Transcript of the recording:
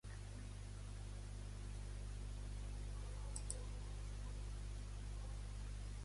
El consell Del-Mar-Va està dividit en districtes.